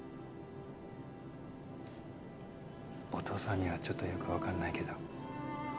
お父さんにはちょっとよく分かんないけど。